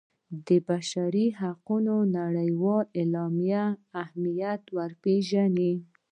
د بشر د حقونو نړیوالې اعلامیې اهمیت وپيژني.